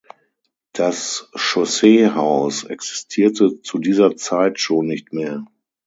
Das Chausseehaus existierte zu dieser Zeit schon nicht mehr.